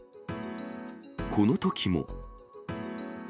このときも。